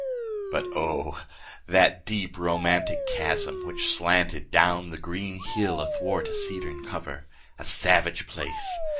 But O, that deep romantic chasm which slanted Down the green hill athwart a cedarn cover! A savage place!